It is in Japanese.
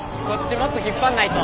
もっと引っ張んないと。